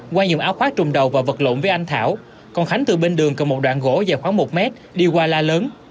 qua dùng áo khoác trùm đầu và vật lộn với anh thảo còn khánh từ bên đường cầm một đoạn gỗ dài khoảng một mét đi qua la lớn